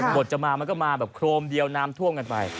บทจะมามันก็มาแบบโครมเดียวน้ำท่วมกันไป